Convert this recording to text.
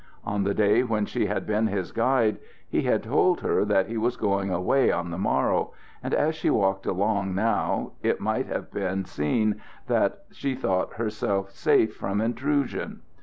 On the day when she had been his guide he had told her that he was going away on the morrow, and as she walked along now it might have been seen that she thought herself safe from intrusion.